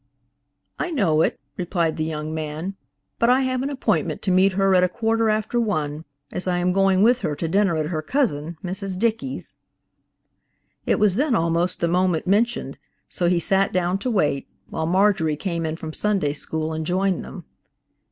"I know it," replied the young man, "but I have an appointment to meet her at a quarter after one, as I am going with her to dinner at her cousin, Mrs. Dickey's." It was then almost the moment mentioned, so he sat down to wait, while Marjorie came in from Sunday School and joined them.